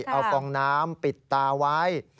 เอาฟองน้ำปิดตาไว้